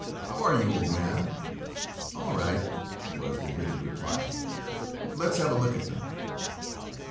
"How are you, old man?" "All right," was the gritted reply. "Let's have a look at them."